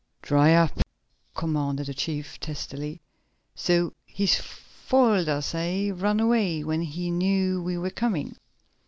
"Dry up!" commanded the chief testily. "So he's foiled us, eh? Run away when he knew we were coming?